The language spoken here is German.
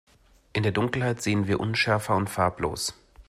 In der Dunkelheit sehen wir unschärfer und farblos.